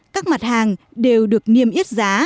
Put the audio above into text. các mặt hàng đều được niêm yết giá